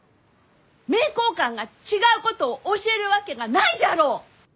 名教館が違うことを教えるわけがないじゃろう！